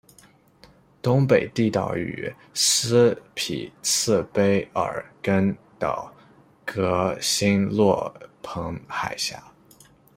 东北地岛与斯匹次卑尔根岛隔欣洛彭海峡。